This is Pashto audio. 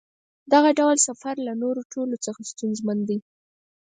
دغه ډول سفر له نورو ټولو څخه ستونزمن دی.